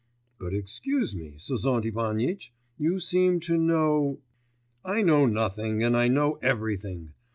'But excuse me, Sozont Ivanitch, you seem to know....' 'I know nothing, and I know everything!